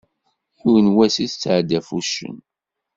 Yiwen wass i tettɛeddi ɣef wuccen.